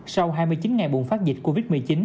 sau hai mươi chín ngày bùng phát dịch covid một mươi chín